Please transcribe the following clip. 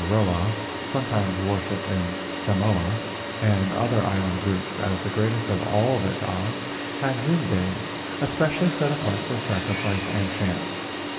6 LEGENDS OF GHOSTS Tanaroa, sometimes worshipped in Samoa and other island groups as the greatest of all their gods—had his days especially set apart for sacri¬ fice and chant.